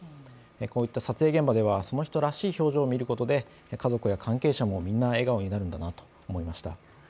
こういった撮影現場ではその人らしい表情を見ることで家族や関係者もみんな笑顔になるんだなと思いました。